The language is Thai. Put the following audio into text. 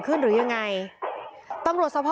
พวกมันต้องกินกันพี่